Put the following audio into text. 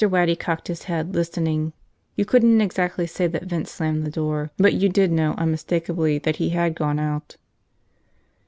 Waddy cocked his head, listening. You couldn't exactly say that Vince slammed the door, but you did know unmistakably that he had gone out.